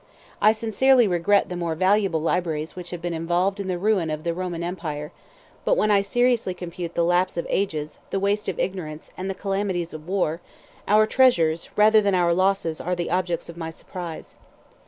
I sincerely regret the more valuable libraries which have been involved in the ruin of the Roman empire; but when I seriously compute the lapse of ages, the waste of ignorance, and the calamities of war, our treasures, rather than our losses, are the objects of my surprise.